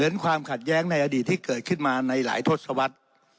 ในหลายทศวรรษ